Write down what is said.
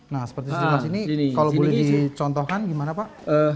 nah seperti sirnas ini kalau boleh dicontohkan gimana pak